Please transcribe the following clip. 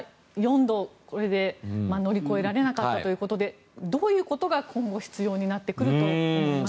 これで４度乗り越えられなかったということでどういうことが今後必要になってくると思いますか。